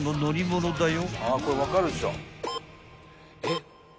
えっ？